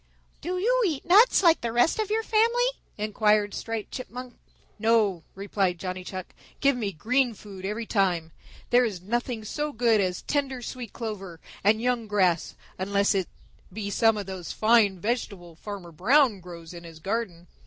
"Do you eat nuts like the rest of our family?" inquired Striped Chipmunk. "No," replied Johnny Chuck. "Give me green food every time. There is nothing so good as tender sweet clover and young grass, unless it be some of those fine vegetables Farmer Brown grows in his garden."